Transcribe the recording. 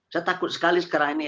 saya takut sekali sekarang ini